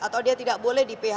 atau dia tidak boleh dipecat